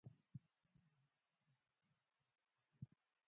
اقلیم د افغانستان د زرغونتیا نښه ده.